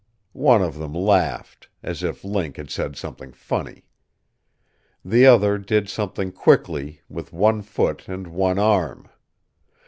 One of them laughed; as if Link had said something funny. The other did something quickly with one foot and one arm.